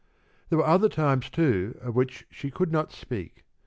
There were other times, too, of which she could not speak.